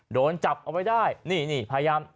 โดนจับเอาไว้ได้นี่นี่พยายาม